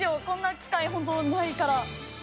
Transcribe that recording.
こんな機会ほんとないから。